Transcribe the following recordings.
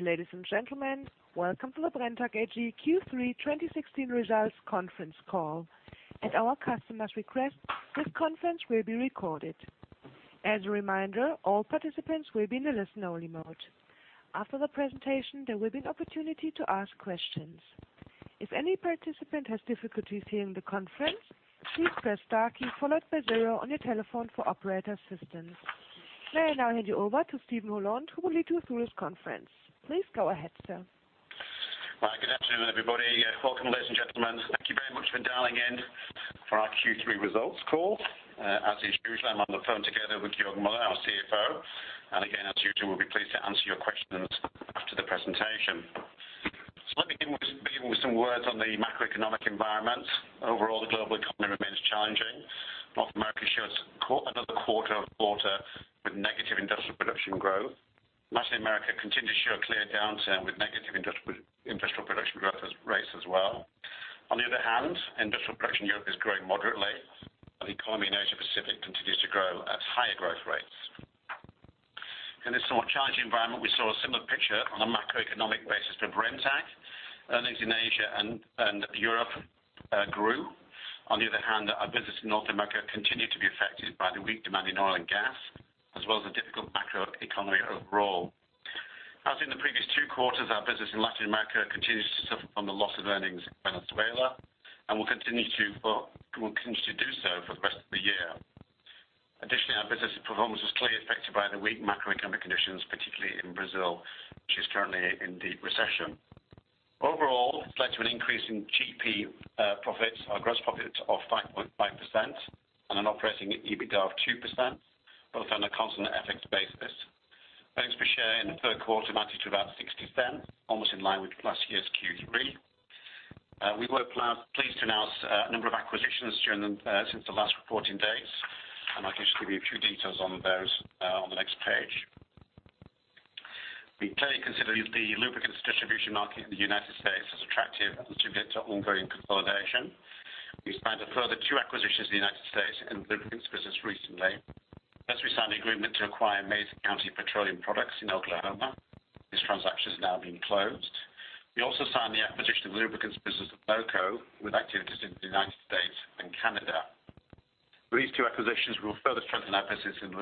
Ladies and gentlemen, welcome to the Brenntag AG Q3 2016 Results Conference Call. At our customer's request, this conference will be recorded. As a reminder, all participants will be in a listen-only mode. After the presentation, there will be an opportunity to ask questions. If any participant has difficulties hearing the conference, please press star key followed by zero on your telephone for operator assistance. May I now hand you over to Steven Holland who will lead you through this conference. Please go ahead, sir. Hi. Good afternoon, everybody. Welcome, ladies and gentlemen. Thank you very much for dialing in for our Q3 results call. As usual, I am on the phone together with Georg Müller, our CFO, and again, as usual, we will be pleased to answer your questions after the presentation. Let me begin with some words on the macroeconomic environment. Overall, the global economy remains challenging. North America shows another quarter of water with negative industrial production growth. Latin America continues to show a clear downturn with negative industrial production growth rates as well. Industrial production in Europe is growing moderately, and the economy in Asia Pacific continues to grow at higher growth rates. In this somewhat challenging environment, we saw a similar picture on a macroeconomic basis for Brenntag. Earnings in Asia and Europe grew. Our business in North America continued to be affected by the weak demand in oil and gas, as well as the difficult macro economy overall. As in the previous two quarters, our business in Latin America continues to suffer from the loss of earnings in Venezuela and will continue to do so for the rest of the year. Additionally, our business performance was clearly affected by the weak macroeconomic conditions, particularly in Brazil, which is currently in deep recession. It has led to an increase in GP profits, our gross profits of 5.5% and an operating EBITDA of 2%, both on a constant FX basis. Thanks for sharing. EPS for the third quarter amounted to about 0.60, almost in line with last year's Q3. We were pleased to announce a number of acquisitions since the last reporting date, and I will just give you a few details on those on the next page. We clearly consider the lubricants distribution market in the U.S. as attractive due to its ongoing consolidation. We signed a further two acquisitions in the U.S. in the lubricants business recently. First, we signed an agreement to acquire Mayes County Petroleum Products in Oklahoma. This transaction has now been closed. We also signed the acquisition of the lubricants business of NOCO with activities in the U.S. and Canada. These two acquisitions will further strengthen our business in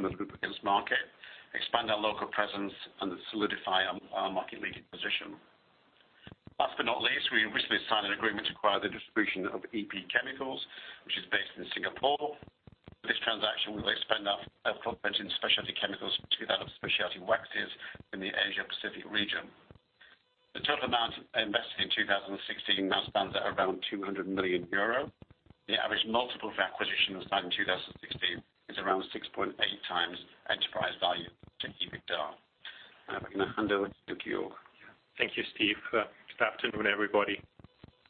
the lubricants market, expand our local presence, and solidify our market-leading position. Last but not least, we recently signed an agreement to acquire the distribution of EPChem Group, which is based in Singapore. This transaction will expand our footprint in specialty chemicals, particularly that of specialty waxes in the Asia Pacific region. The total amount invested in 2016 now stands at around 200 million euro. The average multiple for acquisitions signed in 2016 is around 6.8 times enterprise value to EBITDA. I am going to hand over to Georg. Thank you, Steve. Good afternoon, everybody.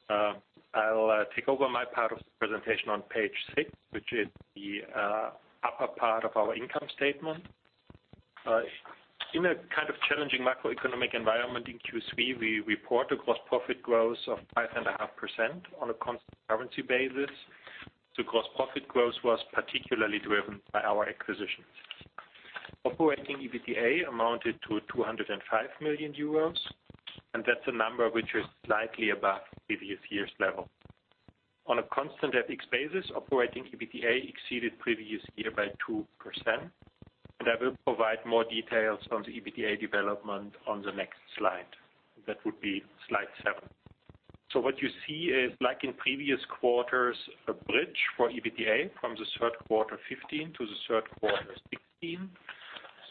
I will take over my part of the presentation on page six, which is the upper part of our income statement. In a kind of challenging macroeconomic environment in Q3, we report a gross profit growth of 5.5% on a constant currency basis. The gross profit growth was particularly driven by our acquisitions. Operating EBITDA amounted to 205 million euros, and that is a number which is slightly above the previous year's level. On a constant FX basis, operating EBITDA exceeded previous year by 2%, and I will provide more details on the EBITDA development on the next slide. That would be slide seven. What you see is, like in previous quarters, a bridge for EBITDA from the third quarter 2015 to the third quarter 2016.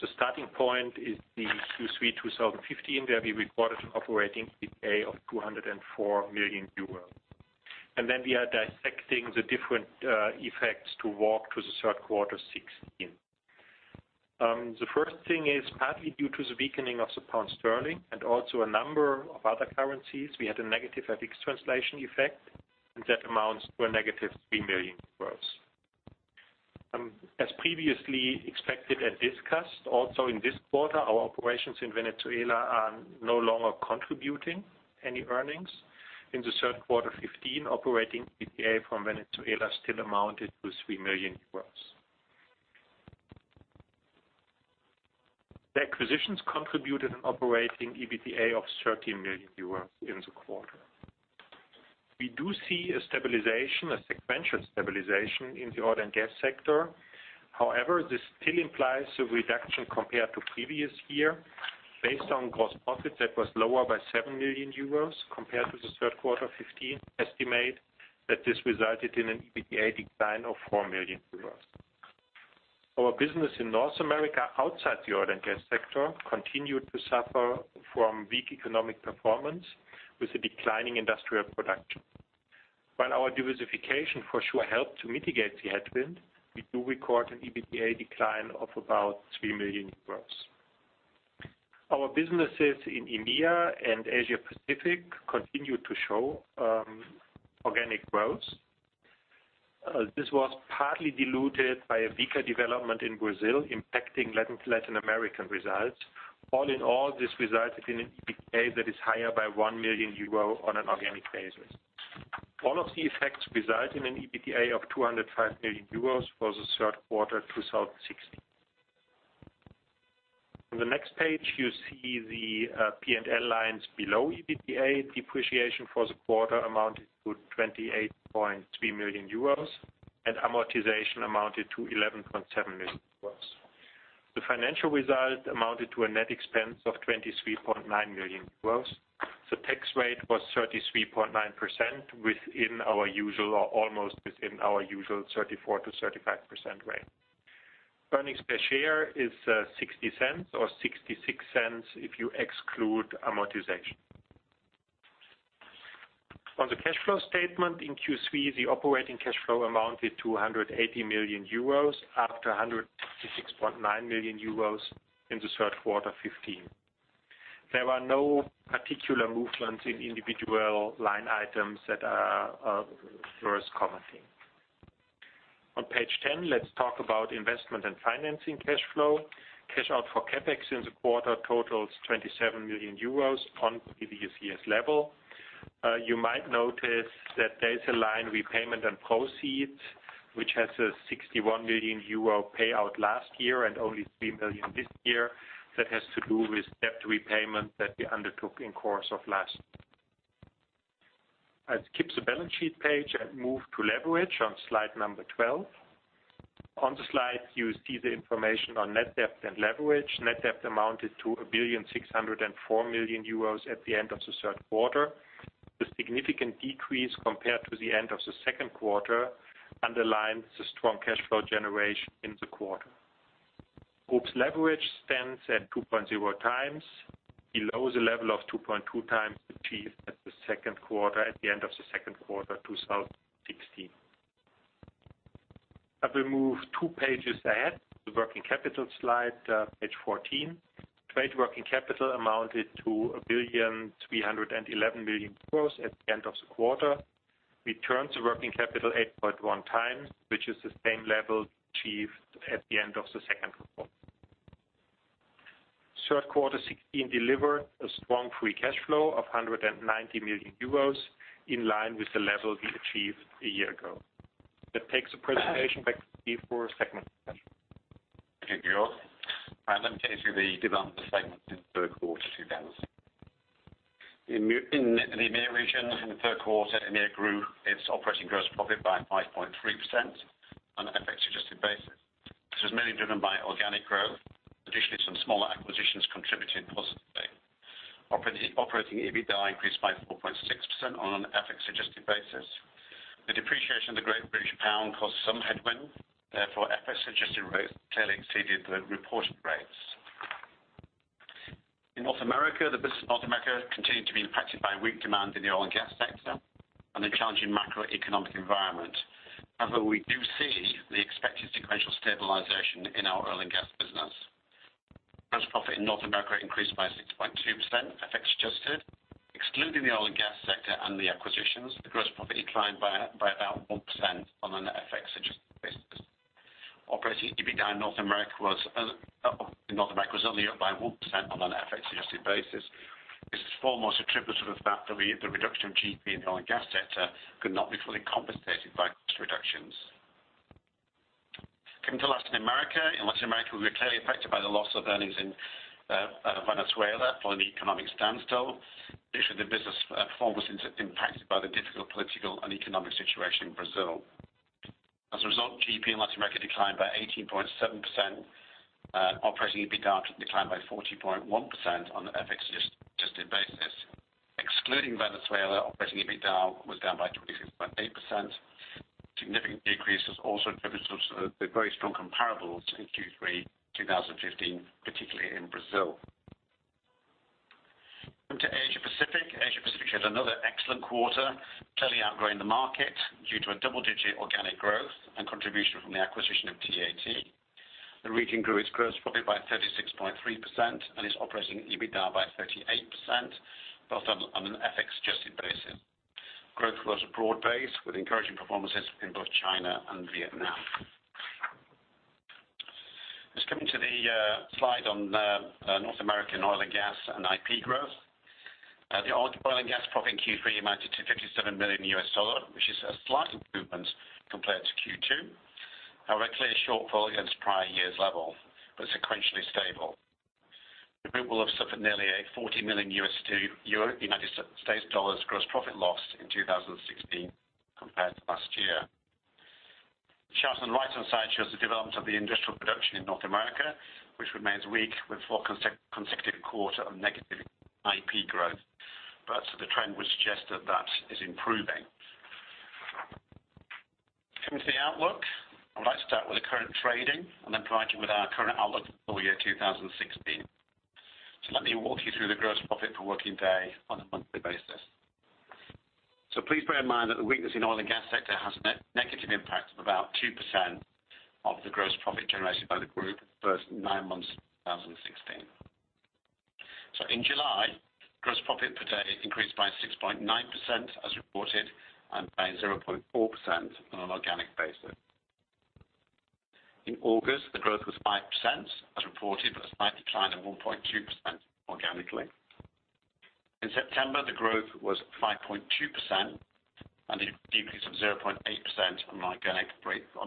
The starting point is the Q3 2015, where we reported operating EBITDA of 204 million euros. We are dissecting the different effects to walk to the third quarter 2016. The first thing is partly due to the weakening of the pound sterling and also a number of other currencies. We had a negative FX translation effect, and that amounts were -3 million euros. As previously expected and discussed, also in this quarter, our operations in Venezuela are no longer contributing any earnings. In the third quarter 2015, operating EBITDA from Venezuela still amounted to 3 million euros. The acquisitions contributed an operating EBITDA of 30 million euros in the quarter. We do see a stabilization, a sequential stabilization in the oil and gas sector. However, this still implies a reduction compared to previous year based on gross profit that was lower by 7 million euros compared to the third quarter 2015 estimate that this resulted in an EBITDA decline of 4 million euros. Our business in North America outside the oil and gas sector continued to suffer from weak economic performance with a declining industrial production. While our diversification for sure helped to mitigate the headwind, we do record an EBITDA decline of about 3 million euros. Our businesses in India and Asia Pacific continued to show organic growth. This was partly diluted by a weaker development in Brazil impacting Latin American results. All in all, this resulted in an EBITDA that is higher by 1 million euro on an organic basis. All of the effects result in an EBITDA of 205 million euros for the third quarter 2016. On the next page, you see the P&L lines below EBITDA. Depreciation for the quarter amounted to 28.3 million euros, and amortization amounted to 11.7 million euros. The financial result amounted to a net expense of 23.9 million euros. The tax rate was 33.9% within our usual, or almost within our usual 34%-35% range. Earnings per share is 0.60 or 0.66 if you exclude amortization. On the cash flow statement in Q3, the operating cash flow amounted to 180 million euros, up to 166.9 million euros in the third quarter 2015. There are no particular movements in individual line items that are worth commenting. On page 10, let's talk about investment and financing cash flow. Cash out for CapEx in the quarter totals 27 million euros on previous year's level. You might notice that there's a line, repayment and proceeds, which has a 61 million euro payout last year and only 3 million EUR this year. That has to do with debt repayment that we undertook. I'll skip the balance sheet page and move to leverage on slide number 12. On the slide, you see the information on net debt and leverage. Net debt amounted to 1,604 million euros at the end of the third quarter. The significant decrease compared to the end of the second quarter underlines the strong cash flow generation in the quarter. Group's leverage stands at 2.0 times below the level of 2.2 times achieved at the end of the second quarter 2016. I will move two pages ahead, the working capital slide, page 14. Trade working capital amounted to 1,311 million euros at the end of the quarter. We turned the working capital 8.1 times, which is the same level achieved at the end of the second quarter. Third quarter 2016 delivered a strong free cash flow of 190 million euros, in line with the level we achieved a year ago. That takes the presentation back to Steve for a segment discussion. Thank you, Georg. Let me take you through the development of the segments in the third quarter 2016. In the EMEA region, in the third quarter, EMEA grew its operating gross profit by 5.3% on an FX-adjusted basis. This was mainly driven by organic growth. Additionally, some smaller acquisitions contributed positively. Operating EBITDA increased by 4.6% on an FX-adjusted basis. The depreciation of the GBP caused some headwind. FX-adjusted growth clearly exceeded the reported rates. In North America, the business in North America continued to be impacted by weak demand in the oil and gas sector and a challenging macroeconomic environment. We do see the expected sequential stabilization in our oil and gas business. Gross profit in North America increased by 6.2%, FX adjusted. Excluding the oil and gas sector and the acquisitions, the gross profit declined by about 1% on a net FX-adjusted basis. Operating EBITDA in North America was only up by 1% on an FX-adjusted basis. This is foremost attributable to the fact that the reduction of GP in the oil and gas sector could not be fully compensated by cost reductions. Coming to Latin America. In Latin America, we were clearly affected by the loss of earnings in Venezuela, following the economic standstill. The business performance is impacted by the difficult political and economic situation in Brazil. GP in Latin America declined by 18.7%. Operating EBITDA declined by 40.1% on an FX-adjusted basis. Excluding Venezuela, operating EBITDA was down by 26.8%. Significant decrease was also attributable to the very strong comparables in Q3 2015, particularly in Brazil. Coming to Asia Pacific. Asia Pacific had another excellent quarter, clearly outgrowing the market due to a double-digit organic growth and contribution from the acquisition of TAT. The region grew its gross profit by 36.3% and its operating EBITDA by 38%, both on an FX-adjusted basis. Growth was broad-based, with encouraging performances in both China and Vietnam. Coming to the slide on North American oil and gas and IP growth. The oil and gas profit in Q3 amounted to $57 million, which is a slight improvement compared to Q2. Clearly a shortfall against prior year's level, but sequentially stable. The group will have suffered nearly a $40 million United States dollars gross profit loss in 2016 compared to last year. The chart on the right-hand side shows the development of the industrial production in North America, which remains weak with four consecutive quarters of negative IP growth. The trend would suggest that that is improving. Coming to the outlook. I'd like to start with the current trading and then provide you with our current outlook for the full year 2016. Let me walk you through the gross profit per working day on a monthly basis. Please bear in mind that the weakness in oil and gas sector has a negative impact of about 2% of the gross profit generated by the group the first nine months of 2016. In July, gross profit per day increased by 6.9% as reported and by 0.4% on an organic basis. In August, the growth was 5%, as reported, but a slight decline of 1.2% organically. In September, the growth was 5.2% and a decrease of 0.8% on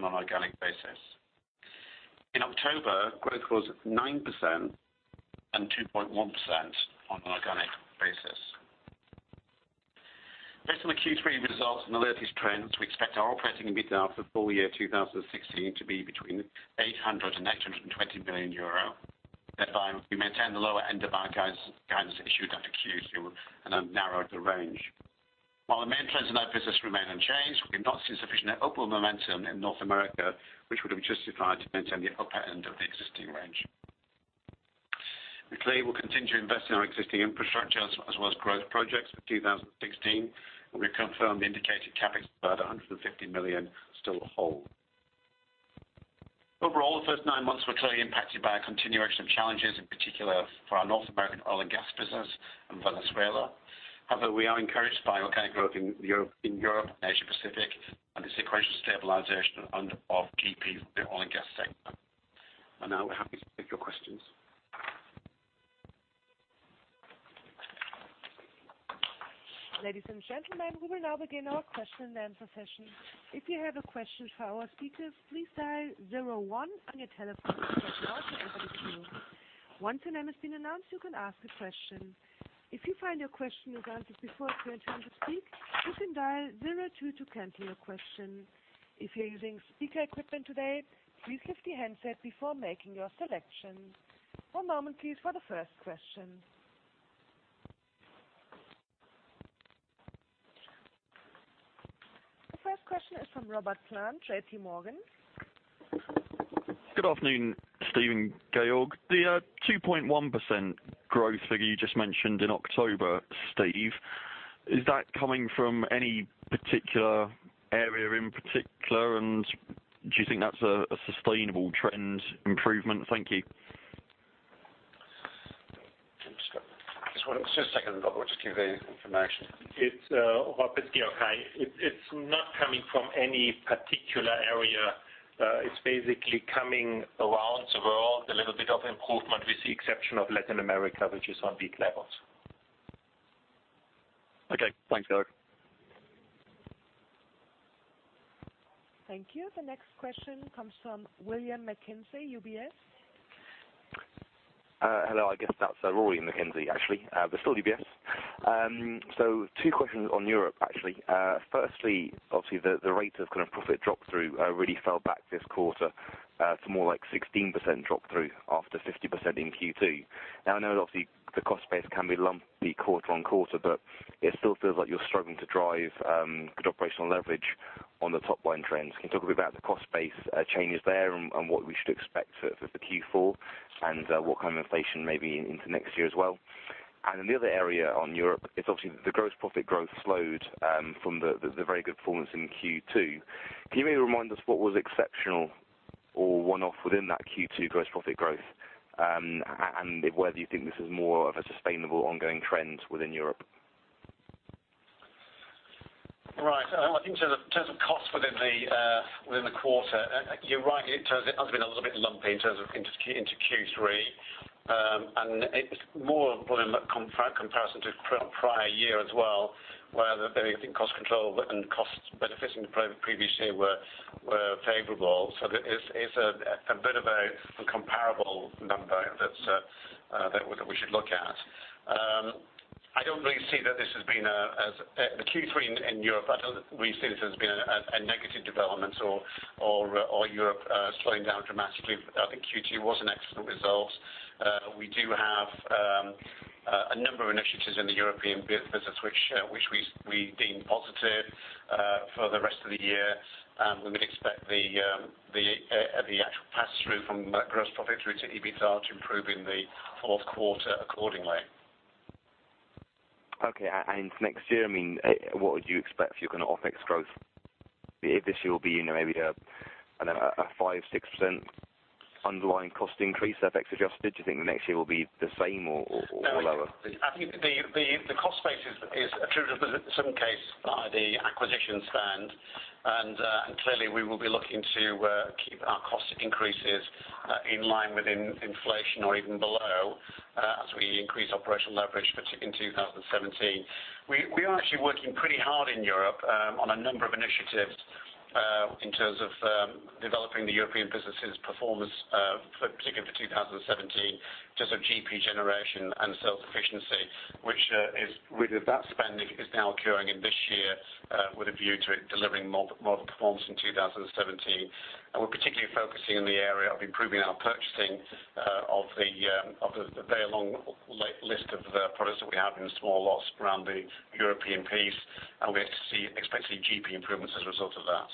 an organic basis. In October, growth was 9% and 2.1% on an organic basis. Based on the Q3 results and the latest trends, we expect our operating EBITDA for the full year 2016 to be between 800 million and 820 million euro. Thereby, we maintain the lower end of our guidance issued at Q2 and have narrowed the range. While the main trends in our business remain unchanged, we have not seen sufficient upward momentum in North America, which would have justified to maintain the upper end of the existing range. We clearly will continue to invest in our existing infrastructure as well as growth projects for 2016. We confirm the indicated CapEx of about 150 million still hold. Overall, the first nine months were clearly impacted by a continuation of challenges in particular for our North American oil and gas business in Venezuela. We are encouraged by organic growth in Europe and Asia Pacific and the sequential stabilization of GP oil and gas segment. Now we're happy to take your questions. Ladies and gentlemen, we will now begin our question and answer session. If you have a question for our speakers, please dial 01 on your telephone keypad now to enter the queue. Once your name has been announced, you can ask a question. If you find your question was answered before it's your turn to speak, you can dial 02 to cancel your question. If you're using speaker equipment today, please lift the handset before making your selection. One moment please for the first question. The first question is from Robert Plant, JPMorgan. Good afternoon, Steve and Georg. The 2.1% growth figure you just mentioned in October, Steve, is that coming from any particular area in particular? Do you think that's a sustainable trend improvement? Thank you. Just one second, Robert. Just give the information. It's Robert. Okay. It's not coming from any particular area. It's basically coming around the world, a little bit of improvement, with the exception of Latin America, which is on weak levels. Okay. Thanks, Georg. Thank you. The next question comes from Rory McKenzie, UBS. Hello. I guess that's Rory McKenzie, actually. Still UBS. Two questions on Europe, actually. Firstly, obviously the rate of kind of profit drop through really fell back this quarter to more like 16% drop through after 50% in Q2. I know, obviously, the cost base can be lumpy quarter-on-quarter, but it still feels like you're struggling to drive good operational leverage on the top line trends. Can you talk a bit about the cost base changes there and what we should expect for the Q4 and what kind of inflation maybe into next year as well? The other area on Europe is obviously the gross profit growth slowed from the very good performance in Q2. Can you maybe remind us what was exceptional or one-off within that Q2 gross profit growth? Whether you think this is more of a sustainable ongoing trend within Europe? Right. I think in terms of costs within the quarter, you're right. It has been a little bit lumpy into Q3. It's more in comparison to prior year as well, where I think cost control and cost benefits in the previous year were favorable. It's a bit of a comparable number that we should look at. The Q3 in Europe, I don't really see this as being a negative development or Europe slowing down dramatically. I think Q2 was an excellent result. We do have a number of initiatives in the European business, which we deem positive for the rest of the year. We would expect the actual pass-through from the gross profit through to EBITDA to improve in the fourth quarter accordingly. Okay. Next year, what would you expect for your kind of OpEx growth? This year will be maybe a 5%, 6% underlying cost increase, FX adjusted. Do you think next year will be the same or lower? No. I think the cost base is attributed in some case by the acquisitions spend. Clearly we will be looking to keep our cost increases in line within inflation or even below as we increase operational leverage in 2017. We are actually working pretty hard in Europe on a number of initiatives in terms of developing the European business' performance in particular for 2017. In terms of GP generation and sales efficiency. That spending is now occurring in this year with a view to it delivering more performance in 2017. We're particularly focusing in the area of improving our purchasing of the very long list of products that we have in the small lots around the European piece, and we expect to see GP improvements as a result of that.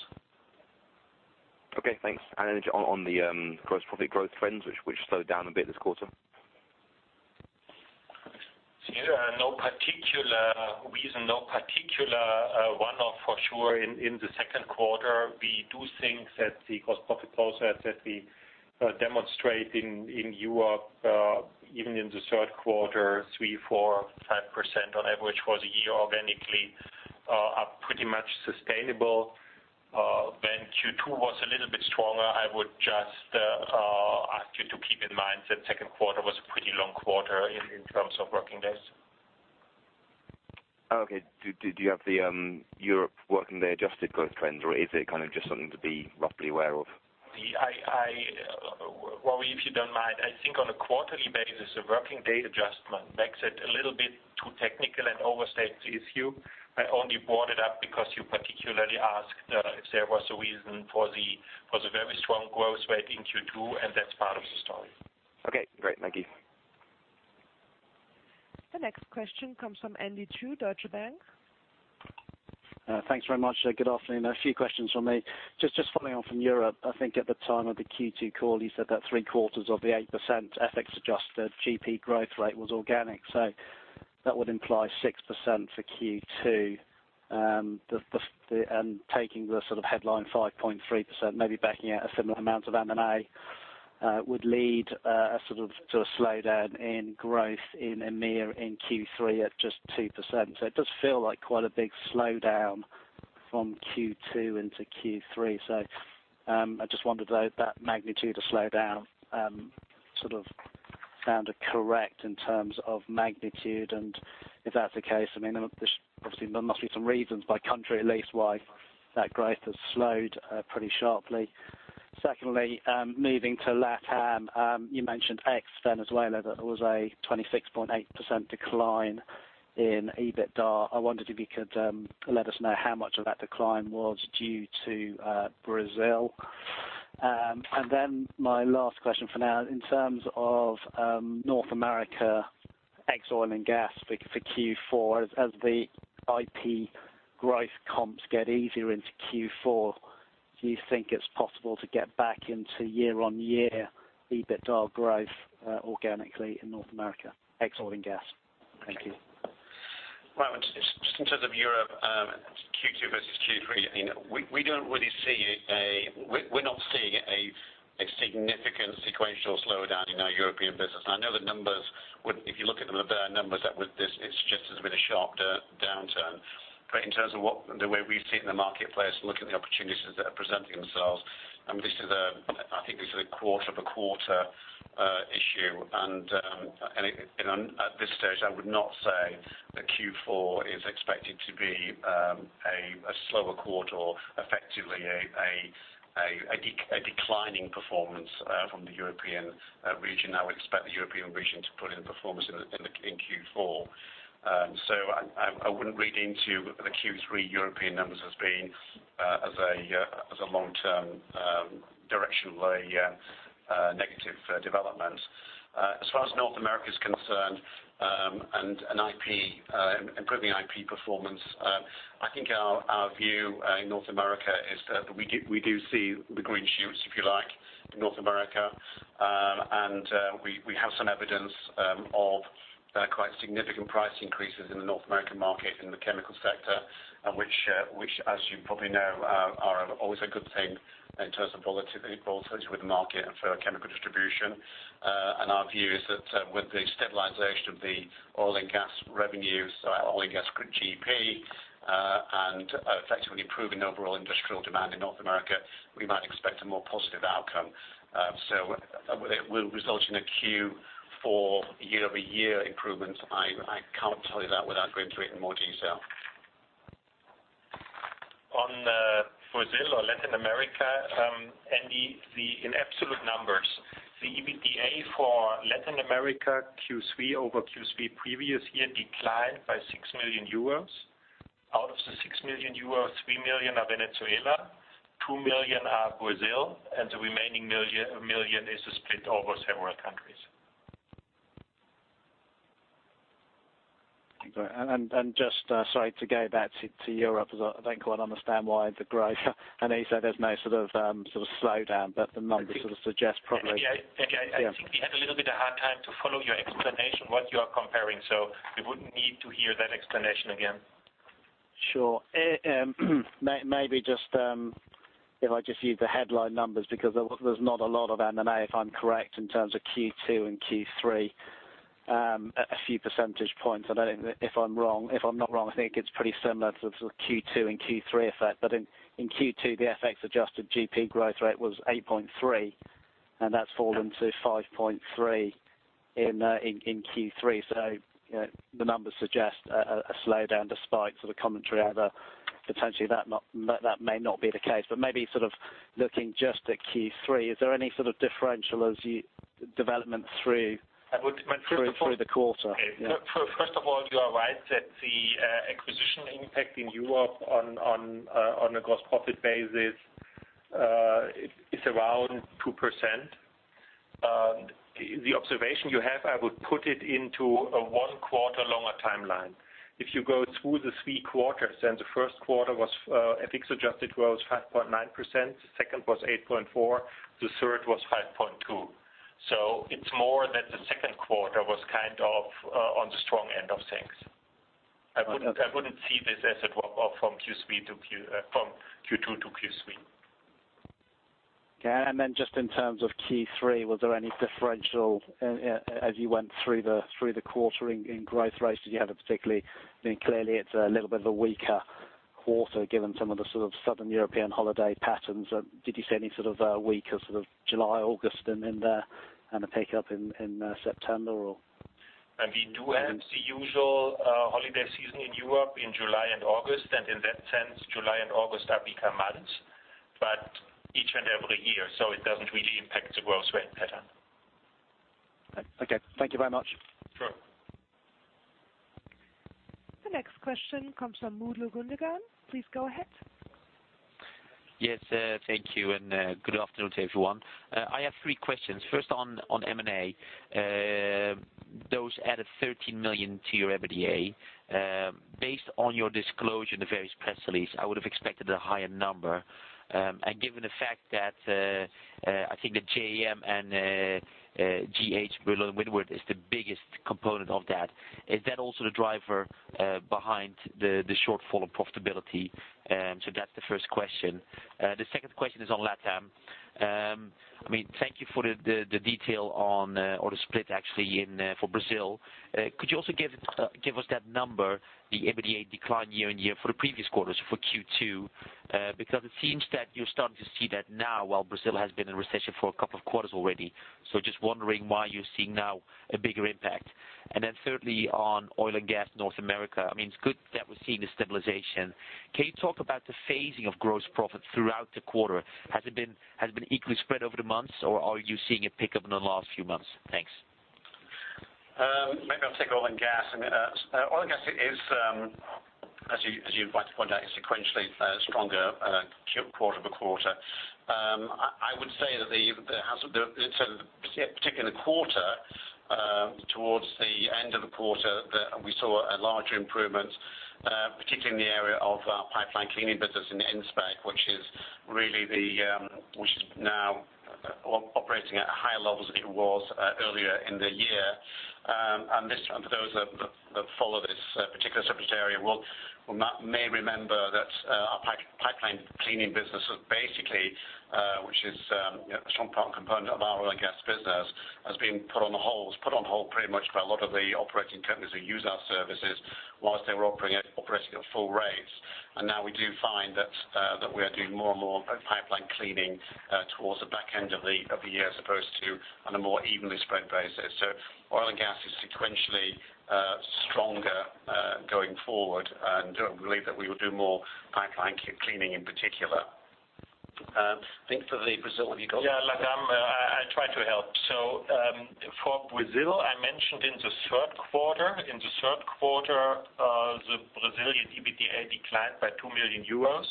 Okay, thanks. On the gross profit growth trends, which slowed down a bit this quarter? No particular reason, no particular one-off for sure in the second quarter. We do think that the gross profit growth that we demonstrate in Europe, even in the third quarter, 3%, 4%, 5% on average for the year organically are pretty much sustainable. When Q2 was a little bit stronger, I would just ask you to keep in mind that second quarter was a pretty long quarter in terms of working days. Okay. Do you have the Europe working day adjusted growth trends or is it just something to be roughly aware of? Well, if you don't mind, I think on a quarterly basis, a working day adjustment makes it a little bit too technical and overstates the issue. I only brought it up because you particularly asked if there was a reason for the very strong growth rate in Q2. That's part of the story. Okay, great. Thank you. The next question comes from Andy Chu, Deutsche Bank. Thanks very much. Good afternoon. A few questions from me. Just following on from Europe, I think at the time of the Q2 call, you said that three quarters of the 8% FX-adjusted GP growth rate was organic. That would imply 6% for Q2. Taking the headline 5.3%, maybe backing out a similar amount of M&A, would lead to a slowdown in growth in EMEA in Q3 at just 2%. It does feel like quite a big slowdown from Q2 into Q3. I just wondered though, that magnitude of slowdown, sounded correct in terms of magnitude? If that's the case, there obviously must be some reasons by country at least why that growth has slowed pretty sharply. Secondly, moving to LatAm. You mentioned ex Venezuela that there was a 26.8% decline in EBITDA. I wondered if you could let us know how much of that decline was due to Brazil. My last question for now, in terms of North America, ex oil and gas for Q4, as the IP growth comps get easier into Q4, do you think it's possible to get back into year-on-year EBITDA growth organically in North America, ex oil and gas? Thank you. Well, just in terms of Europe, Q2 versus Q3, we're not seeing a significant sequential slowdown in our European business. I know the numbers would, if you look at them, the bare numbers, it suggests there's been a sharp downturn. In terms of the way we've seen the marketplace and looking at the opportunities that are presenting themselves, I think this is a quarter of a quarter issue. At this stage, I would not say that Q4 is expected to be a slower quarter or effectively a declining performance from the European region. I would expect the European region to put in performance in Q4. I wouldn't read into the Q3 European numbers as being, as a long-term directionally negative development. As far as North America is concerned, improving IP performance, I think our view in North America is that we do see the green shoots, if you like, in North America. We have some evidence of quite significant price increases in the North American market in the chemical sector, which as you probably know, are always a good thing in terms of volatility with the market and for chemical distribution. Our view is that with the stabilization of the oil and gas revenues, so our oil and gas GP, effectively improving overall industrial demand in North America, we might expect a more positive outcome. Will it result in a Q4 year-over-year improvement? I can't tell you that without going through it in more detail. On Brazil or Latin America, Andy, in absolute numbers, the EBITDA for Latin America Q3 over Q3 previous year declined by 6 million euros. Out of the 6 million euros, 3 million are Venezuela, 2 million are Brazil, and the remaining 1 million is split over several countries. Just, sorry, to go back to Europe, as I don't quite understand why the growth, you said there's no sort of slowdown, the numbers sort of suggest probably. Andy, I think we had a little bit of a hard time to follow your explanation, what you are comparing. We would need to hear that explanation again. Sure. Maybe if I just use the headline numbers, because there's not a lot of M&A, if I'm correct, in terms of Q2 and Q3. A few percentage points. If I'm not wrong, I think it's pretty similar to the Q2 and Q3 effect. In Q2, the FX-adjusted GP growth rate was 8.3%, and that's fallen to 5.3% in Q3. The numbers suggest a slowdown, despite commentary. Although potentially that may not be the case. Maybe looking just at Q3, is there any sort of differential development through the quarter? First of all, you are right that the acquisition impact in Europe on a gross profit basis is around 2%. The observation you have, I would put it into a one quarter longer timeline. If you go through the three quarters, the first quarter was FX-adjusted growth 5.9%, second was 8.4%, the third was 5.2%. It's more that the second quarter was on the strong end of things. I wouldn't see this as a drop-off from Q2 to Q3. Okay. Just in terms of Q3, was there any differential as you went through the quarter in growth rates? Clearly, it's a little bit of a weaker quarter given some of the Southern European holiday patterns. Did you see any sort of weaker July, August and a pickup in September or? We do have the usual holiday season in Europe in July and August. In that sense, July and August are weaker months, but each and every year. It doesn't really impact the growth rate pattern. Okay. Thank you very much. Sure. The next question comes from Murugundegan. Please go ahead. Yes, thank you, and good afternoon to everyone. I have three questions. First, on M&A. Those added 13 million to your EBITDA. Based on your disclosure in the various press release, I would have expected a higher number. Given the fact that I think that J.A.M. and G.H. Berlin-Windward is the biggest component of that, is that also the driver behind the shortfall of profitability? That's the first question. The second question is on LATAM. Thank you for the detail on or the split actually for Brazil. Could you also give us that number, the EBITDA decline year-over-year for the previous quarters for Q2? It seems that you're starting to see that now while Brazil has been in recession for a couple of quarters already. Just wondering why you're seeing now a bigger impact. Thirdly, on oil and gas North America, it's good that we're seeing the stabilization. Can you talk about the phasing of gross profit throughout the quarter? Has it been equally spread over the months, or are you seeing a pickup in the last few months? Thanks. Maybe I'll take oil and gas. Oil and gas is, as you rightly point out, sequentially stronger quarter-over-quarter. I would say that particularly in the quarter, towards the end of the quarter, that we saw a larger improvement, particularly in the area of our pipeline cleaning business in N-SPEC, which is now operating at higher levels than it was earlier in the year. For those that follow this particular separate area, may remember that our pipeline cleaning business is basically, which is a strong component of our oil and gas business, has been put on hold pretty much by a lot of the operating companies who use our services whilst they were operating at full rates. Now we do find that we are doing more and more pipeline cleaning towards the back end of the year as opposed to on a more evenly spread basis. Oil and gas is sequentially stronger going forward, and I would believe that we will do more pipeline cleaning in particular. I think for the Brazil, have you got it? LATAM, I tried to help. For Brazil, I mentioned in the third quarter, the Brazilian EBITDA declined by 2 million euros.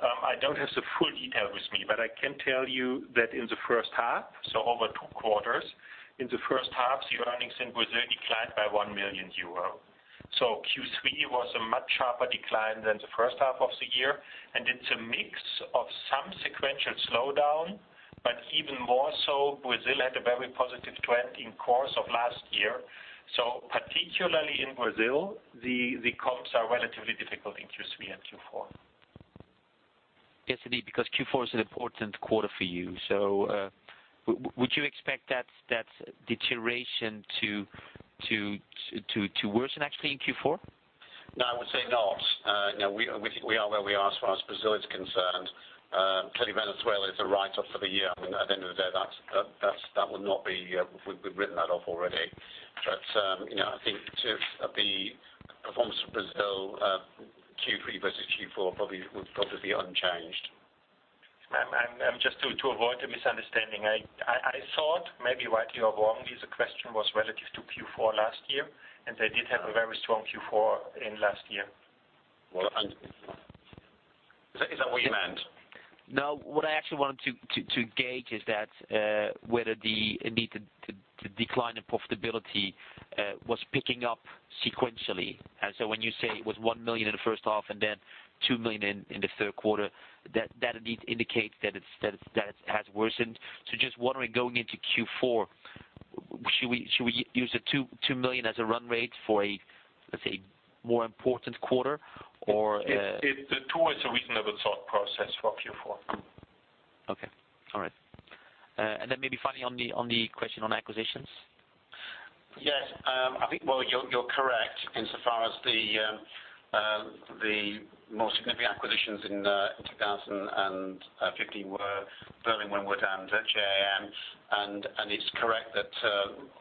I don't have the full detail with me, but I can tell you that in the first half, so over two quarters, in the first half, the earnings in Brazil declined by 1 million euros. Q3 was a much sharper decline than the first half of the year, and it's a mix of some sequential slowdown, but even more so, Brazil had a very positive trending course of last year. Particularly in Brazil, the comps are relatively difficult in Q3 and Q4. Yes, indeed, because Q4 is an important quarter for you. Would you expect that deterioration to worsen actually in Q4? No, I would say not. We are where we are as far as Brazil is concerned. Clearly, Venezuela is a write-off for the year. At the end of the day, we've written that off already. I think the performance for Brazil, Q3 versus Q4 probably will be unchanged. Just to avoid a misunderstanding, I thought maybe rightly or wrongly, the question was relative to Q4 last year, and they did have a very strong Q4 in last year. Is that what you meant? No, what I actually wanted to gauge is that whether the decline in profitability was picking up sequentially. When you say it was 1 million in the first half and then 2 million in the third quarter, that indeed indicates that it has worsened. Just wondering, going into Q4, should we use the 2 million as a run rate for a, let's say, more important quarter? The 2 is a reasonable thought process for Q4. Okay. All right. Maybe finally on the question on acquisitions. Yes. I think you're correct insofar as the most significant acquisitions in 2015 were Berlin-Windward and J.A.M. It's correct that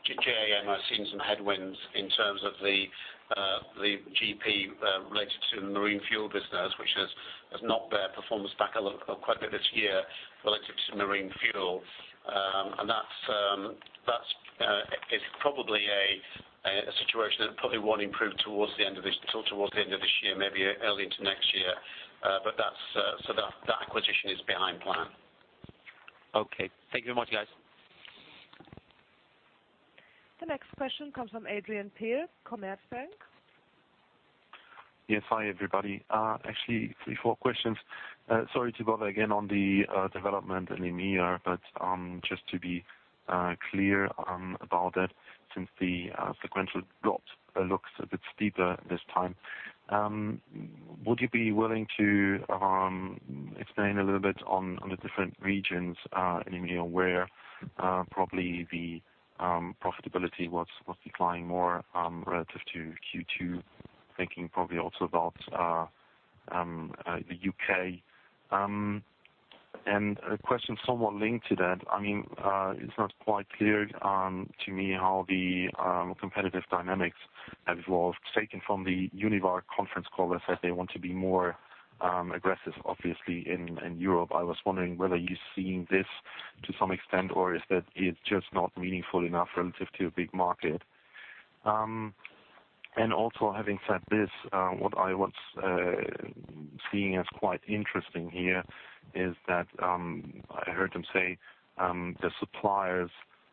J.A.M. are seeing some headwinds in terms of the GP related to the marine fuel business, which has not performed as bad quite a bit this year relative to marine fuel. That is probably a situation that probably won't improve till towards the end of this year, maybe early into next year. That acquisition is behind plan. Okay. Thank you very much, guys. The next question comes from Adrian Pehl, Commerzbank. Yes. Hi, everybody. Actually, three, four questions. Sorry to bother again on the development in EMEA, just to be clear about it, since the sequential drop looks a bit steeper this time. Would you be willing to explain a little bit on the different regions in EMEA, where probably the profitability was declining more relative to Q2, thinking probably also about the U.K. A question somewhat linked to that, it's not quite clear to me how the competitive dynamics have evolved, taken from the Univar conference call. They said they want to be more aggressive, obviously, in Europe. I was wondering whether you're seeing this to some extent, or is that it's just not meaningful enough relative to a big market. Also, having said this, what I was seeing as quite interesting here is that I heard them say the suppliers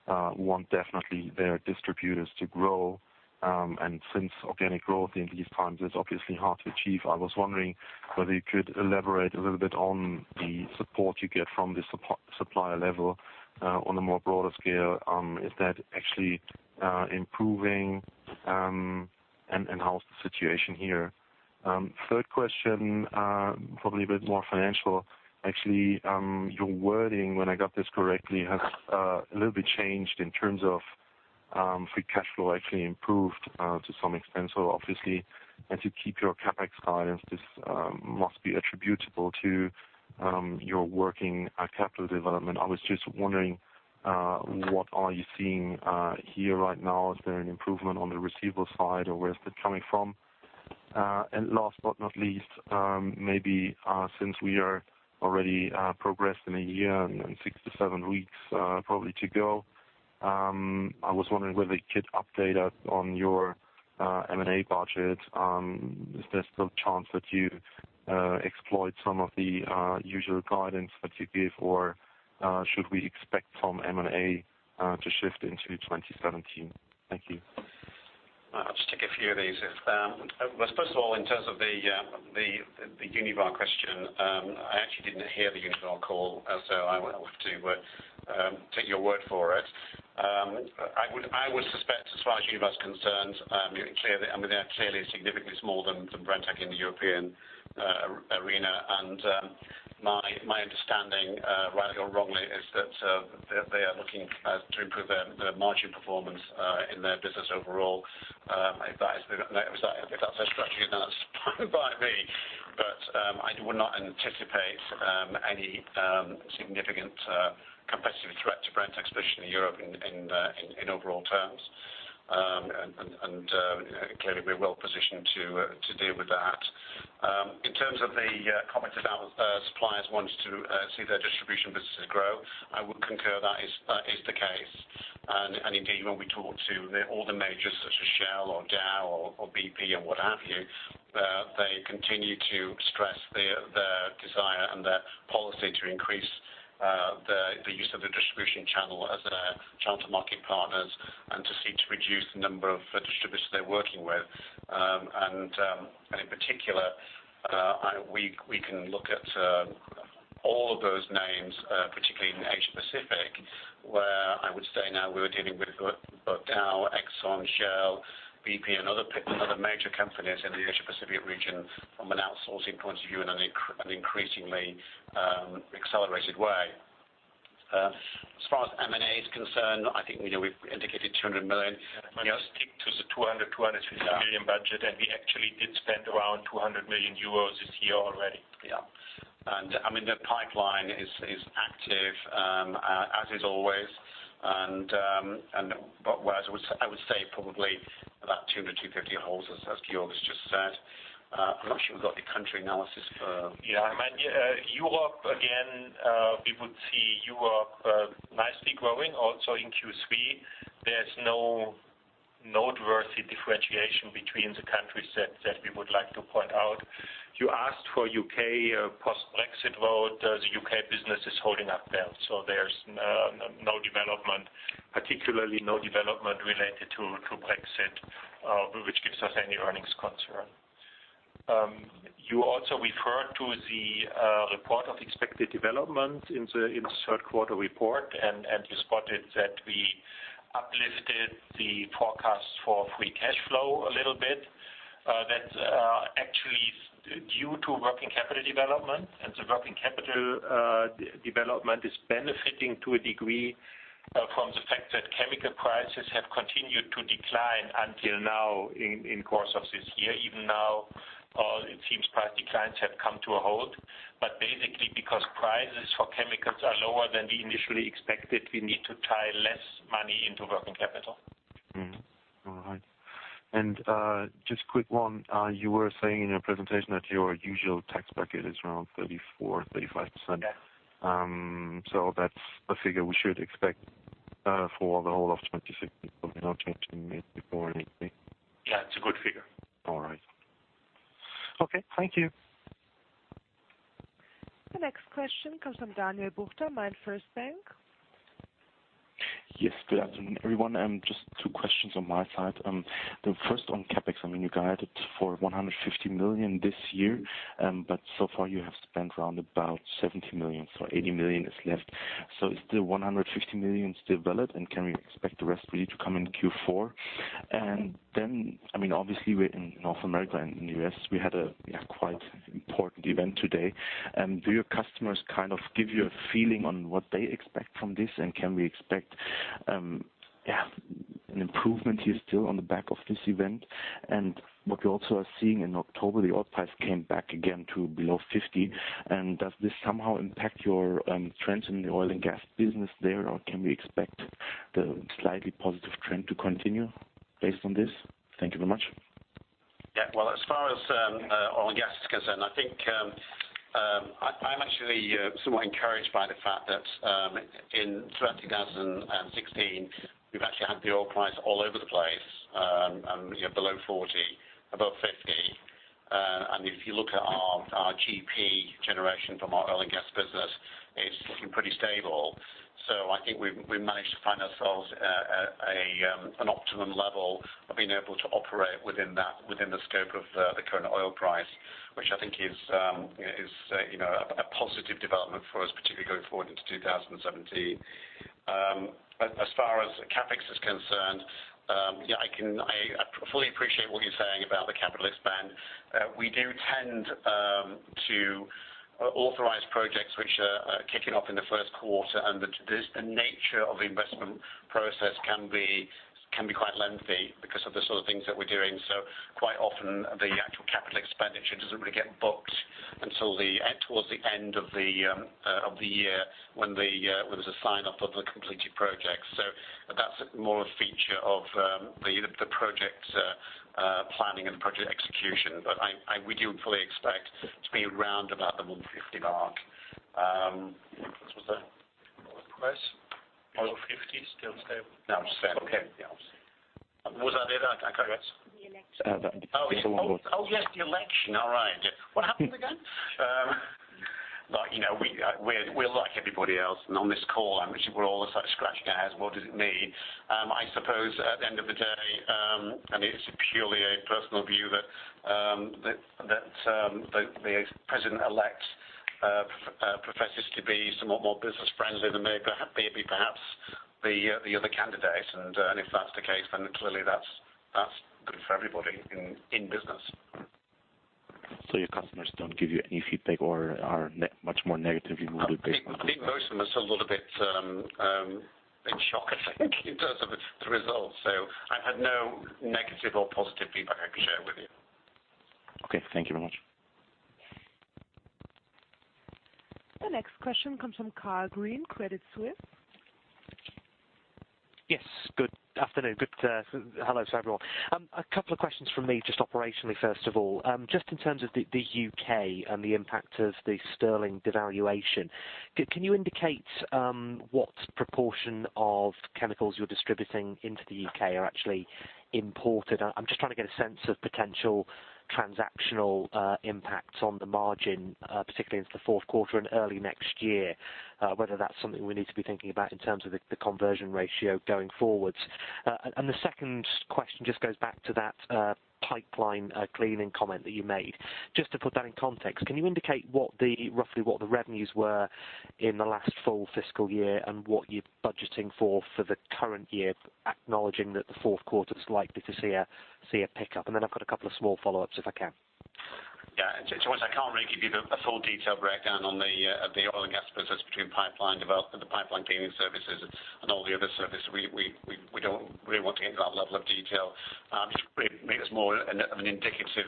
want definitely their distributors to grow, and since organic growth in these times is obviously hard to achieve, I was wondering whether you could elaborate a little bit on the support you get from the supplier level on a more broader scale. Is that actually improving, and how is the situation here? Third question, probably a bit more financial. Actually, your wording, when I got this correctly, has a little bit changed in terms of free cash flow actually improved to some extent. Obviously, and to keep your CapEx guidance, this must be attributable to your working capital development. I was just wondering, what are you seeing here right now? Is there an improvement on the receivable side, or where is that coming from? Last but not least, maybe since we are already progressed in a year and six to seven weeks probably to go, I was wondering whether you could update us on your M&A budget. Is there still a chance that you exploit some of the usual guidance that you give, or should we expect some M&A to shift into 2017? Thank you. I'll just take a few of these. First of all, in terms of the Univar question, I actually didn't hear the Univar call, so I will have to take your word for it. I would suspect as far as Univar's concerned, they are clearly significantly smaller than Brenntag in the European arena, and my understanding, rightly or wrongly, is that they are looking to improve their margin performance in their business overall. If that's their strategy, that's fine by me. I would not anticipate any significant competitive threat to Brenntag's position in Europe in overall terms. Clearly, we're well positioned to deal with that. In terms of the comment about suppliers wanting to see their distribution businesses grow, I would concur that is the case. Indeed, when we talk to all the majors such as Shell or Dow or BP and what have you, they continue to stress their desire and their policy to increase the use of the distribution channel as a channel to market partners and to seek to reduce the number of distributors they're working with. In particular, we can look at all of those names, particularly in Asia Pacific, where I would say now we're dealing with Dow, Exxon, Shell, BP, and other major companies in the Asia Pacific region from an outsourcing point of view in an increasingly accelerated way. As far as M&A is concerned, I think we've indicated 200 million. We stick to the 200 million-250 million budget, and we actually did spend around 200 million euros this year already. Yeah. The pipeline is active, as is always, but I would say probably about 200 million-250 million holds, as Georg just said. I'm not sure we've got the country analysis for- Yeah. Europe, again, we would see Europe nicely growing also in Q3. There's no noteworthy differentiation between the countries that we would like to point out. You asked for U.K. post-Brexit vote. The U.K. business is holding up well, there's no development, particularly no development related to Brexit, which gives us any earnings concern. You also referred to the report of expected development in the third quarter report, you spotted that we uplifted the forecast for free cash flow a little bit. That's actually due to working capital development, the working capital development is benefiting to a degree from the fact that chemical prices have continued to decline until now in course of this year. Even now, it seems price declines have come to a halt. Basically, because prices for chemicals are lower than we initially expected, we need to tie less money into working capital. All right. Just quick one, you were saying in your presentation that your usual tax bracket is around 34%-35%. Yes. That's a figure we should expect for the whole of 2016, probably no change in maybe four or anything? Yeah, it's a good figure. All right. Okay, thank you. The next question comes from Daniel Buchta, MainFirst. Yes, good afternoon, everyone. Just two questions on my side. The first on CapEx, you guided for 150 million this year, so far you have spent around about 70 million, so 80 million is left. Is the 150 million still valid and can we expect the rest really to come in Q4? Then, obviously, we're in North America and in the U.S., we had a quite important event today. Do your customers kind of give you a feeling on what they expect from this, and can we expect an improvement here still on the back of this event? What we also are seeing in October, the oil price came back again to below 50. Does this somehow impact your trends in the oil and gas business there, or can we expect the slightly positive trend to continue based on this? Thank you very much. Yeah. Well, as far as oil and gas is concerned, I think I'm actually somewhat encouraged by the fact that throughout 2016, we've actually had the oil price all over the place, below 40, above 50. If you look at our GP generation from our oil and gas business, it's looking pretty stable. I think we managed to find ourselves an optimum level of being able to operate within the scope of the current oil price, which I think is a positive development for us, particularly going forward into 2017. As far as CapEx is concerned, I fully appreciate what you're saying about the capital expand. We do tend to authorize projects which are kicking off in the first quarter, the nature of the investment process can be quite lengthy because of the sort of things that we're doing. Quite often, the actual capital expenditure doesn't really get booked until towards the end of the year when there's a sign-off of the completed project. That's more a feature of the project planning and project execution. We do fully expect to be around about the 150 mark. What was the request? Oil 50, still stable? No. Okay. Yeah. Was that it? The election. The election. Oh, yes, the election. All right. What happened again? We're like everybody else and on this call, and we're all sort of scratching our heads, what does it mean? I suppose at the end of the day, and it's purely a personal view that the president elect professes to be somewhat more business-friendly than maybe perhaps the other candidate. If that's the case, then clearly that's good for everybody in business. Your customers don't give you any feedback or are much more negative, you would say, based on? I think most of them are still a little bit in shock, I think, in terms of the results. I've had no negative or positive feedback I can share with you. Okay. Thank you very much. The next question comes from Kyle Green, Credit Suisse. Yes, good afternoon. Hello to everyone. A couple of questions from me, just operationally, first of all. Just in terms of the U.K. and the impact of the Sterling devaluation, can you indicate what proportion of chemicals you're distributing into the U.K. are actually imported? I'm just trying to get a sense of potential transactional impact on the margin, particularly into the fourth quarter and early next year, whether that's something we need to be thinking about in terms of the conversion ratio going forwards. The second question just goes back to that pipeline cleaning comment that you made. Just to put that in context, can you indicate roughly what the revenues were in the last full fiscal year and what you're budgeting for the current year, acknowledging that the fourth quarter is likely to see a pickup? I've got a couple of small follow-ups, if I can. Yeah. I can't really give you a full detailed breakdown on the oil and gas business between pipeline development, the pipeline cleaning services, and all the other services. We don't really want to get into that level of detail. Just really give some indication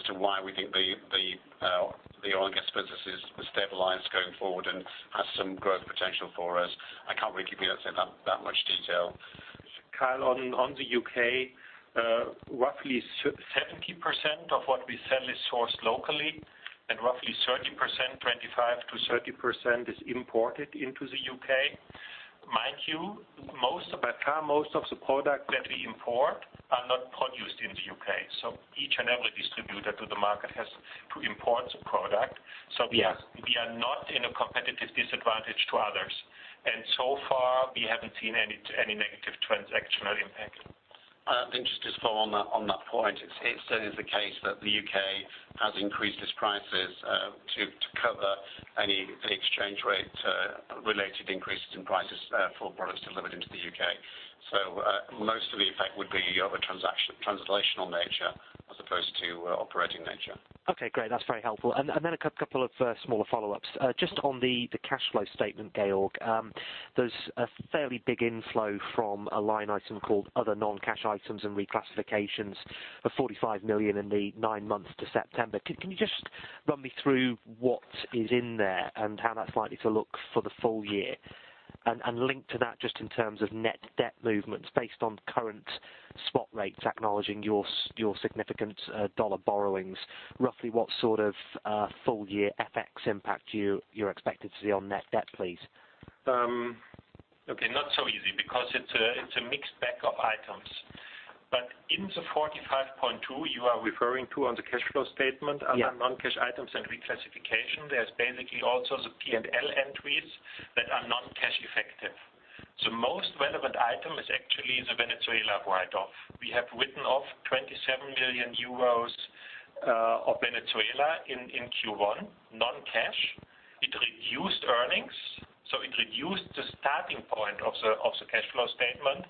as to why we think the oil and gas business is stabilized going forward and has some growth potential for us. I can't really give you that much detail. Kyle, on the U.K., roughly 70% of what we sell is sourced locally and roughly 30%, 25%-30% is imported into the U.K. Mind you, most of the product that we import are not produced in the U.K. Each and every distributor to the market has to import the product. Yes. We are not in a competitive disadvantage to others. So far, we haven't seen any negative transactional impact. Just to follow on that point, it still is the case that the U.K. has increased its prices to cover any exchange rate-related increases in prices for products delivered into the U.K. Most of the effect would be of a translational nature as opposed to operating nature. Okay, great. That's very helpful. Then a couple of smaller follow-ups. Just on the cash flow statement, Georg, there's a fairly big inflow from a line item called other non-cash items and reclassifications of 45 million in the nine months to September. Can you just run me through what is in there and how that's likely to look for the full year? Linked to that, just in terms of net debt movements based on current spot rates, acknowledging your significant USD borrowings, roughly what sort of full-year FX impact you're expected to see on net debt, please? Okay, not so easy because it's a mixed bag of items. In the 45.2 you are referring to on the cash flow statement. Yeah Other non-cash items and reclassification, there's basically also the P&L entries that are non-cash effective. The most relevant item is actually the Venezuela write-off. We have written off 27 million euros of Venezuela in Q1, non-cash. It reduced earnings, so it reduced the starting point of the cash flow statement.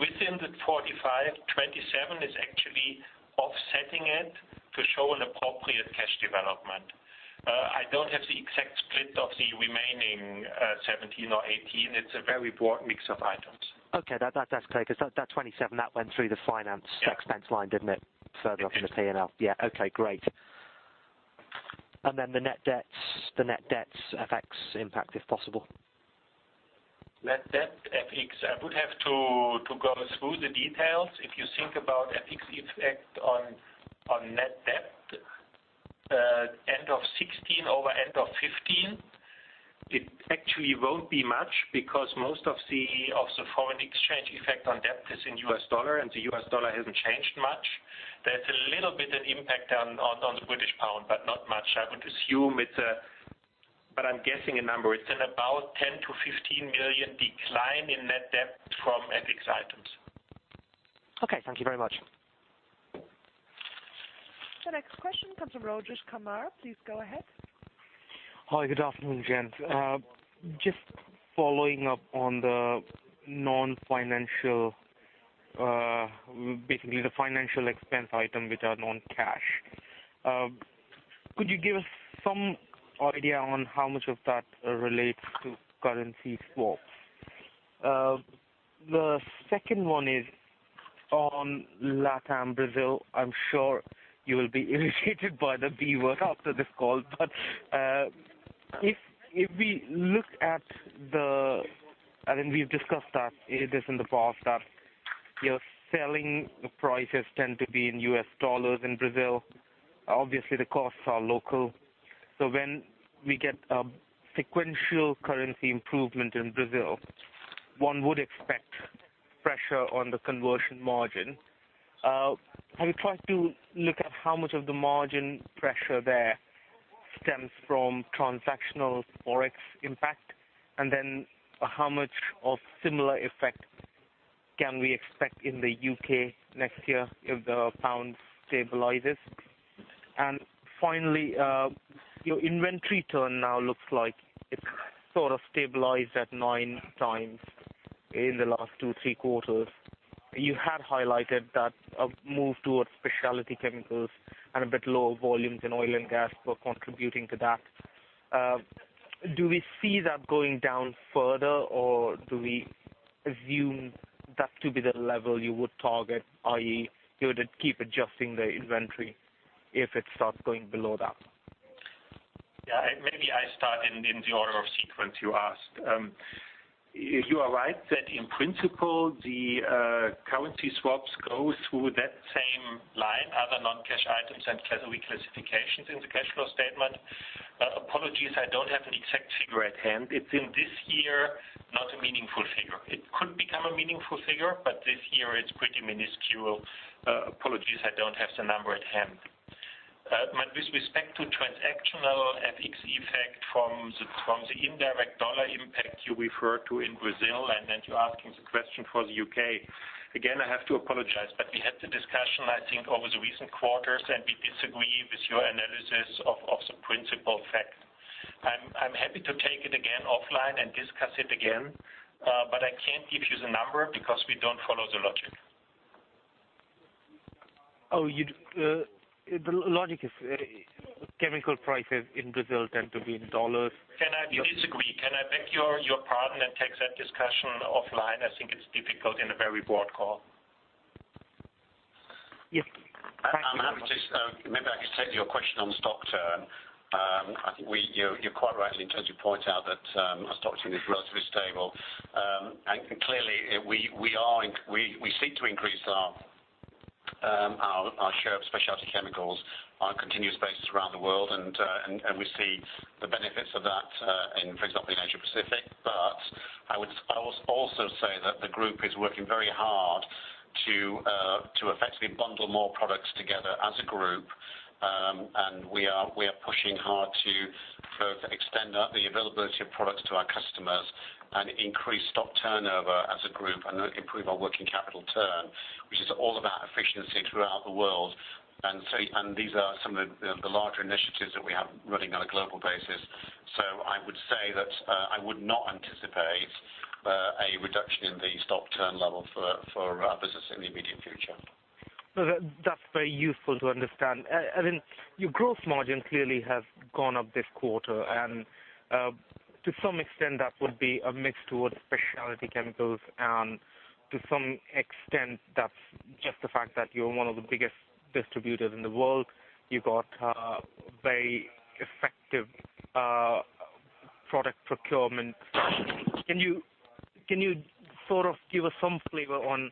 Within the 45, 27 is actually offsetting it to show an appropriate cash development. I don't have the exact split of the remaining 17 or 18. It's a very broad mix of items. Okay. That's clear, because that 27, that went through the finance- Yeah expense line, didn't it? Further up in the P&L. Yeah. Okay, great. Then the net debt's FX impact, if possible. Net debt FX, I would have to go through the details. If you think about FX effect on net debt, end of 2016 over end of 2015, it actually won't be much because most of the foreign exchange effect on debt is in U.S. dollar, and the U.S. dollar hasn't changed much. There's a little bit of impact on the British pound, but not much. I'm guessing a number. It's an about 10 million-15 million decline in net debt from FX items. Okay. Thank you very much. The next question comes from Rojesh Kamara. Please go ahead. Hi. Good afternoon, gents. Just following up on the non-financial, basically the financial expense item, which are non-cash. Could you give us some idea on how much of that relates to currency swaps? The second one is on LatAm, Brazil. I'm sure you will be irritated by the B word after this call. I think we've discussed this in the past, that your selling prices tend to be in U.S. dollars in Brazil. Obviously, the costs are local. When we get a sequential currency improvement in Brazil, one would expect pressure on the conversion margin. Have you tried to look at how much of the margin pressure there stems from transactional FX impact? And then how much of similar effect can we expect in the U.K. next year if the pound stabilizes? Finally, your inventory turn now looks like it sort of stabilized at nine times in the last two, three quarters. You had highlighted that a move towards specialty chemicals and a bit lower volumes in oil and gas were contributing to that. Do we see that going down further, or do we assume that to be the level you would target, i.e. you would keep adjusting the inventory if it starts going below that? Yeah. Maybe I start in the order of sequence you asked. You are right that in principle, the currency swaps go through that same line, other non-cash items and category classifications in the cash flow statement. Apologies, I don't have an exact figure at hand. It's in this year, not a meaningful figure. It could become a meaningful figure, this year it's pretty minuscule. Apologies, I don't have the number at hand. With respect to transactional FX effect from the indirect dollar impact you referred to in Brazil, then you're asking the question for the U.K. Again, I have to apologize, we had the discussion, I think, over the recent quarters, we disagree with your analysis of the principle effect. I'm happy to take it again offline and discuss it again, I can't give you the number because we don't follow the logic. Oh, the logic is chemical prices in Brazil tend to be in dollars. We disagree. Can I beg your pardon and take that discussion offline? I think it's difficult in a very broad call. Yes. Thank you very much. Maybe I could take your question on stock turn. I think you're quite right in terms you point out that our stock turn is relatively stable. Clearly, we seek to increase our share of specialty chemicals on a continuous basis around the world. We see the benefits of that in, for example, in Asia Pacific. I would also say that the group is working very hard to effectively bundle more products together as a group, and we are pushing hard to both extend the availability of products to our customers and increase stock turnover as a group and improve our working capital turn, which is all about efficiency throughout the world. These are some of the larger initiatives that we have running on a global basis. I would say that I would not anticipate a reduction in the stock turn level for our business in the immediate future. No, that's very useful to understand. I mean, your gross margin clearly has gone up this quarter, and to some extent, that would be a mix towards specialty chemicals, and to some extent, that's just the fact that you're one of the biggest distributors in the world. You got very effective product procurement. Can you sort of give us some flavor on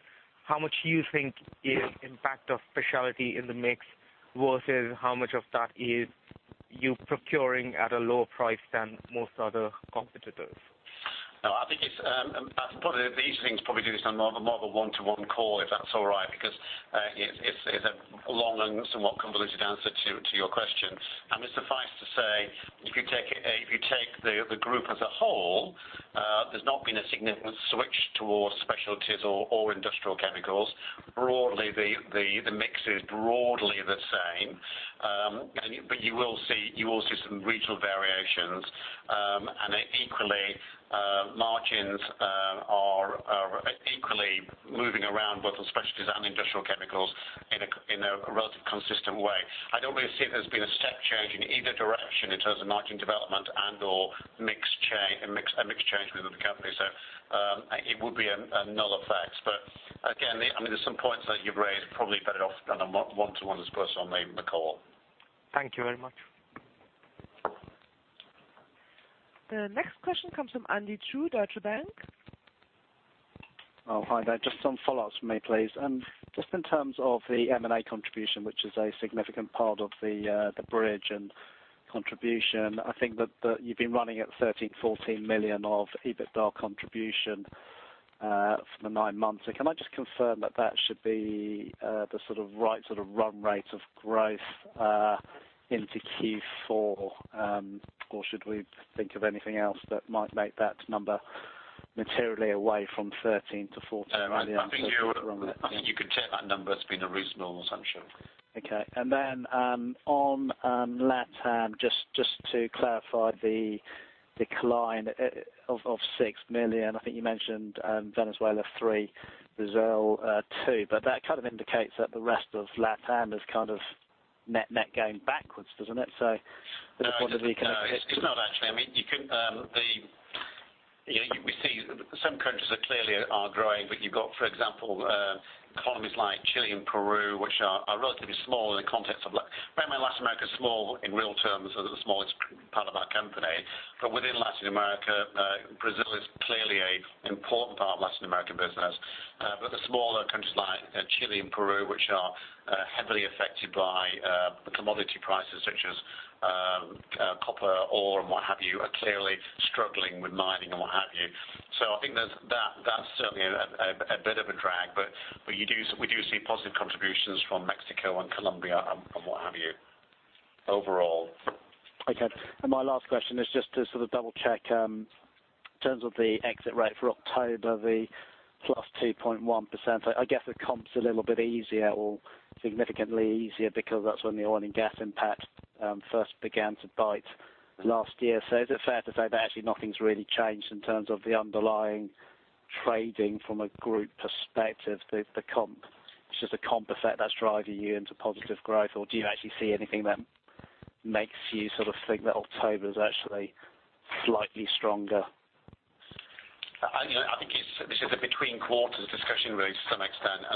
how much you think is impact of specialty in the mix versus how much of that is you procuring at a lower price than most other competitors? No, I think the easier thing to probably do is done more of a one-to-one call, if that's all right, because it's a long and somewhat convoluted answer to your question. It's suffice it to say, if you take the group as a whole, there's not been a significant switch towards specialties or industrial chemicals. Broadly, the mix is broadly the same. You will see some regional variations, and margins are equally moving around both on specialties and industrial chemicals in a relatively consistent way. I don't really see it as being a step change in either direction in terms of margin development and/or a mix change within the company. It would be a null effect. Again, there's some points that you've raised, probably better off on a one-to-one discussion on the call. Thank you very much. The next question comes from Andy Chu, Deutsche Bank. Hi there. Just some follow-ups from me, please. Just in terms of the M&A contribution, which is a significant part of the bridge and contribution, I think that you've been running at 13 million, 14 million of EBITDA contribution for the nine months. Can I just confirm that that should be the right run rate of growth into Q4? Should we think of anything else that might make that number materially away from 13 million-14 million? No, I think you can take that number as being a reasonable assumption. Okay. On LatAm, just to clarify the decline of 6 million, I think you mentioned Venezuela 3 million, Brazil 2 million, that kind of indicates that the rest of LatAm is kind of net going backwards, doesn't it? I just wondered if you can. No, it's not actually. We see some countries clearly are growing. You've got, for example, economies like Chile and Peru, which are relatively small in the context of-- Bear in mind, Latin America is small in real terms, the smallest part of our company. Within Latin America, Brazil is clearly an important part of Latin American business. The smaller countries like Chile and Peru, which are heavily affected by the commodity prices, such as copper, ore, and what have you, are clearly struggling with mining and what have you. I think that's certainly a bit of a drag, but we do see positive contributions from Mexico and Colombia and what have you overall. Okay. My last question is just to sort of double check in terms of the exit rate for October, the +2.1%. I guess the comp's a little bit easier or significantly easier because that's when the oil and gas impact first began to bite last year. Is it fair to say that actually nothing's really changed in terms of the underlying trading from a group perspective? It's just a comp effect that's driving you into positive growth, or do you actually see anything that makes you sort of think that October is actually slightly stronger? I think this is a between quarters discussion, really, to some extent.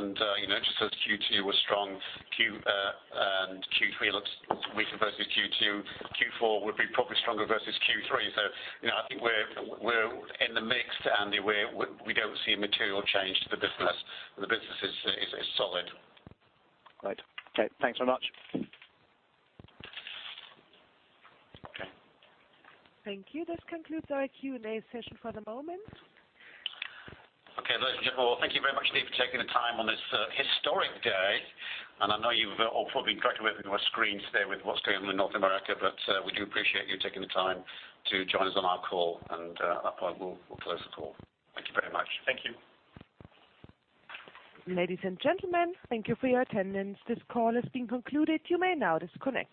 Just as Q2 was strong and Q3 looks weaker versus Q2, Q4 would be probably stronger versus Q3. I think we're in the mix, Andy. We don't see a material change to the business. The business is solid. Great. Okay. Thanks very much. Okay. Thank you. This concludes our Q&A session for the moment. Okay, ladies and gentlemen. Well, thank you very much, Steve, for taking the time on this historic day. I know you've all probably been distracted looking at our screens today with what's going on in North America, we do appreciate you taking the time to join us on our call. At that point, we'll close the call. Thank you very much. Thank you. Ladies and gentlemen, thank you for your attendance. This call has been concluded. You may now disconnect.